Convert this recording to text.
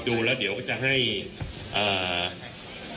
คุณผู้ชมไปฟังผู้ว่ารัฐกาลจังหวัดเชียงรายแถลงตอนนี้ค่ะ